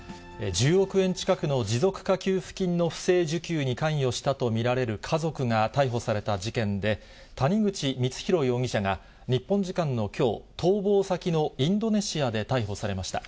１０億円近くの持続化給付金の不正受給に関与したと見られる家族が逮捕された事件で、谷口光弘容疑者が、日本時間のきょう、逃亡先のインドネシアで逮捕されました。